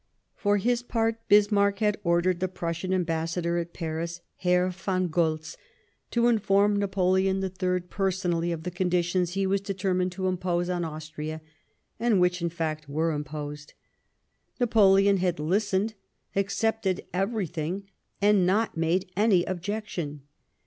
For his part, Bismarck had ordered the Prussian Ambassador at Paris, Herr von Goltz, to inform Napoleon III personally 108 Sadowa of the conditions he was determined to impose on Austria, and which in fact were imposed. Napoleon had hstened, accepted everything, and not made any objection.